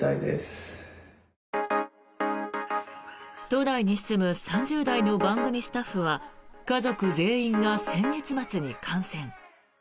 都内に住む３０代の番組スタッフは家族全員が先月末に感染。